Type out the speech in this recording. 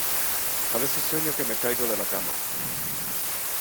A veces sueño que me caigo de la cama.